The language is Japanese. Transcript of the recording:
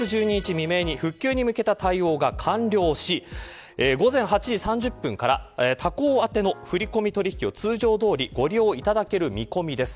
未明に、普及に向けた対応が完了し午前８時３０分から他行宛ての振り込み取引を通常どおりご利用いただける見込みです。